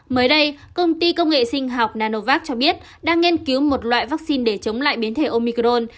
mới đây công ty công nghệ sinh học nanovac cho biết đang nghiên cứu một loại vaccine để chống lại biến thể omicron